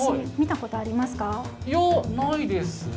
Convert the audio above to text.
いやないですね。